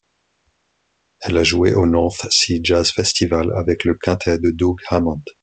Elle a joué au North Sea Jazz Festival avec le quintet de Doug Hammond.